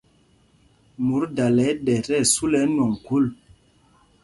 Mot dala ɗɛ tí ɛsu lɛ ɛnwɔŋ khûl.